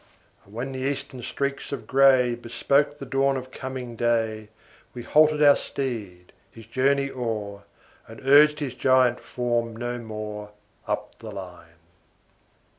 And when the Eastern streaks of gray Bespoke the dawn of coming day, We halted our steed, his journey o'er, And urged his giant form no more, Up the line.